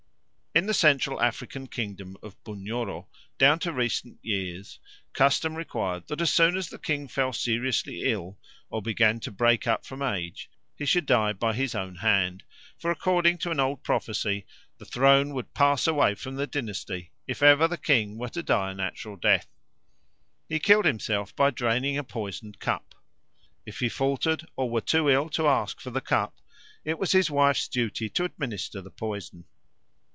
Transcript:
In the Central African kingdom of Bunyoro down to recent years custom required that as soon as the king fell seriously ill or began to break up from age, he should die by his own hand; for, according to an old prophecy, the throne would pass away from the dynasty if ever the king were to die a natural death. He killed himself by draining a poisoned cup. If he faltered or were too ill to ask for the cup, it was his wife's duty to administer the poison.